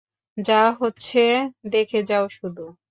যা হচ্ছে দেখে যাও শুধু।